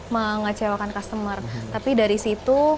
mengecewakan customer tapi dari situ